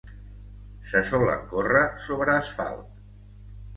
Se solen córrer sobre asfalt.